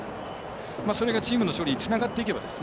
それがチームの勝利につながっていけば。